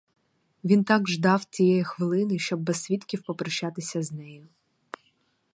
Він так ждав тієї хвилини, щоб без свідків попрощатися з нею.